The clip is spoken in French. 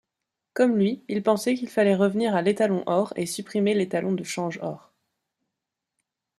Comme lui il pensait qu'il fallait revenir à l'étalon-or et supprimer l'étalon de change-or.